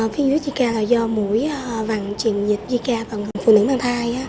cái dấu zika là do mũi vằn truyền dịch zika bằng phụ nữ băng thai